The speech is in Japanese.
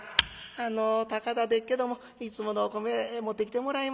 「あの高田でっけどもいつものお米持ってきてもらえまへんやろか」。